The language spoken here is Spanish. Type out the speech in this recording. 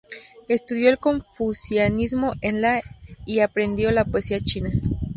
Estudió el confucianismo en la y aprendió la poesía china.